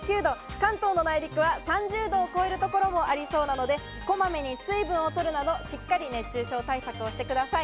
関東の内陸では３０度を超える所がありそうなのでこまめに水分を取るなど、熱中症対策をしてください。